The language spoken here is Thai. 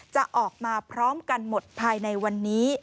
จะออกมาพร้อมกันหมดภายในวันนี้